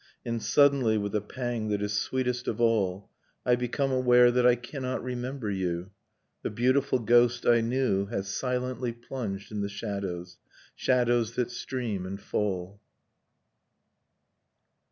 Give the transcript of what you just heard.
.. And suddenly, with a pang that is sweetest of all, I become aware that I cannot remember you; The beautiful ghost I knew Has silently plunged in the shadows, shadows that stream and fall.